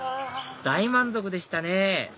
大満足でしたね